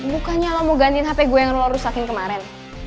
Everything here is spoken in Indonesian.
bukannya lo mau gantiin hp gue yang lo rusakin kemaren